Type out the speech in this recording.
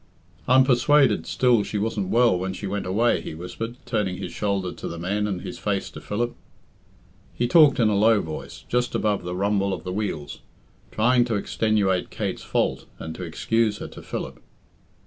"I'm persuaded still she wasn't well when she went away," he whispered, turning his shoulder to the men and his face to Philip. He talked in a low voice, just above the rumble of the wheels, trying to extenuate Kate's fault and to excuse her to Philip.